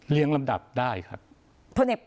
เรียงลำดับได้ครับ